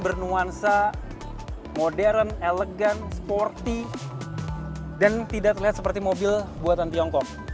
bernuansa modern elegan sporty dan tidak terlihat seperti mobil buatan tiongkok